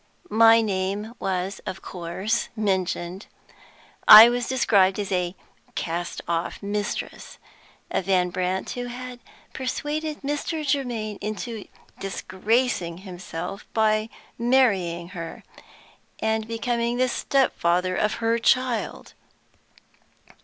My name was, of course, mentioned. I was described as a 'cast off mistress' of Van Brandt, who had persuaded Mr. Germaine into disgracing himself by marrying her, and becoming the step father of her child.